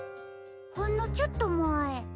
ほんのちょっとまえ。